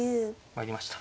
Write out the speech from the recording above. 参りました。